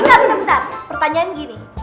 enggak bentar bentar pertanyaan gini